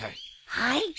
はい。